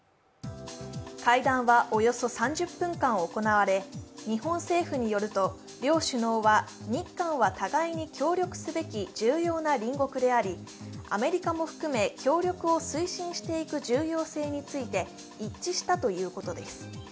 会談はおよそ３０分間行われ日本政府によると、両首脳は日韓は互いに協力すべき重要な隣国でありアメリカも含め協力を推進していく重要性について一致したということです。